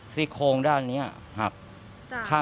ซี่โครงด้านนี้หัก